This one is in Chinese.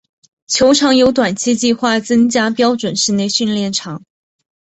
球场有短期计划增加标准室内训练场。